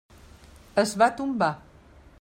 Es va tombar.